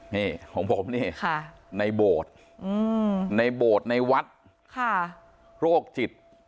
นี่ของผมนี่ในโบรสในวัดโรคจิต